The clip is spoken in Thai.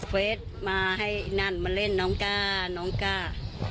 เฟสมาให้นั่นมาเล่นน้องกล้าน้องกล้า